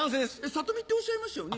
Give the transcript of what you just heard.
さとみっておっしゃいましたよね。